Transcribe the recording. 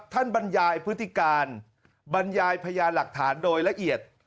บรรยายพฤติการบรรยายพยานหลักฐานโดยละเอียด